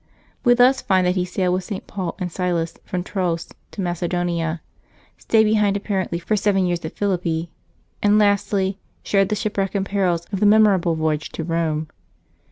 We thus find that he sailed with St. Paul and Silas from Troas to Macedonia ; stayed behind apparently for seven years at Philippi, and, lastly, shared the shipwreck and perils of the memorable voyage to Rome.